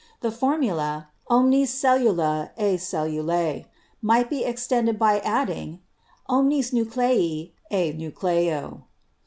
The formula 'omnis cellula e cellula' might be extended by adding 'omnis nuclei e nucleo.'